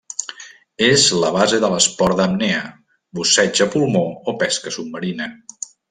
És la base de l'esport d'apnea, busseig a pulmó o pesca submarina.